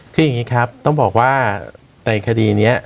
คืออย่างนี้ครับต้องบอกว่าในคดีนี้